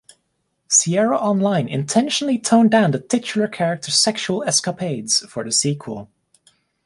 Sierra On-Line intentionally toned down the titular character's sexual escapades for the sequel.